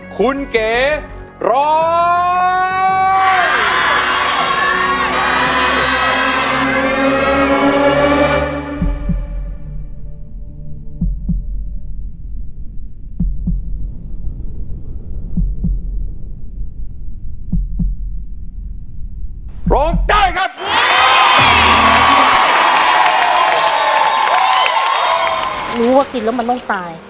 คุณเก๋ร้อง